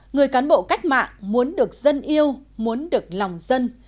người cán bộ cách mạng muốn được dân yêu muốn được lòng dân